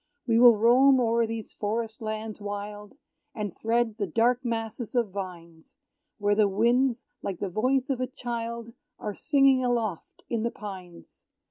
We will roam o'er these forest lands wild, And thread the dark masses of vines, Where the winds, like the voice of a child, Are singing aloft in the pines.